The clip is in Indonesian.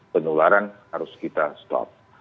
penularan harus kita stop